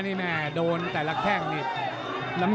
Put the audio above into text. หนึ่งด้วยนะครับว่างัง